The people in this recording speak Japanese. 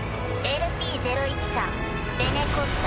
ＬＰ０１３レネ・コスタ。